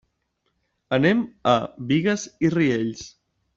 Anem a Bigues i Riells.